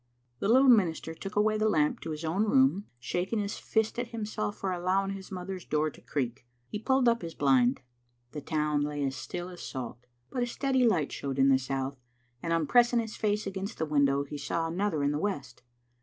The little minister took away the lamp to his r urn room, shaking his fist at himself for allowing his mother's door to creak. He pulled up his blind. The town lay as still as salt. But a steady light showed in the south, and on pressing his face against the window he saw another in the west.